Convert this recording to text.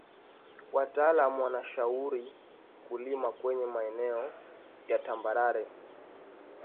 Wataalam wanashauri kulima kwenye maeneo ya tambarare